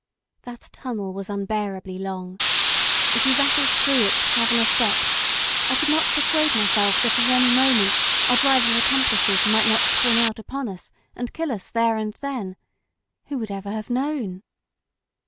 That tunnel was unbearably long. As we rattled through its cavernous depths, I could not persuade myself that at any moment our driver's accomplices might not spring out upon us and kill us there and then. Who would ever have known?